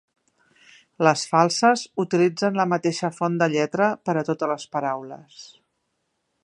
Les Falses utilitzen la mateixa font de lletra per a totes les paraules.